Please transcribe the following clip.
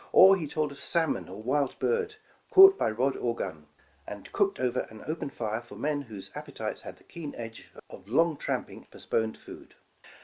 Or he told of salmon or wild bird, caught by rod or gun, and cooked over an open fire for men whose appetites had the keen edge of long tramping and post poned food.